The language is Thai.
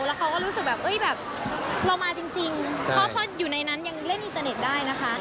แล้วเขาก็รู้สึกแบบเรามาจริงเพราะอยู่ในนั้นยังเล่นอินเตอร์เน็ตได้นะคะ